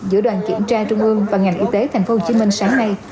giữa đoàn kiểm tra trung ương và ngành y tế tp hcm sáng nay